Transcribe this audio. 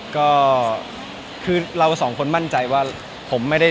ก็คือเราสองคนมั่นใจว่า